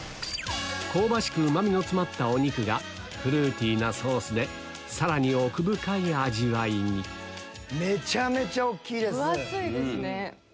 香ばしくうま味の詰まったお肉がフルーティーなソースでさらに奥深い味わいにめちゃめちゃ大きいです。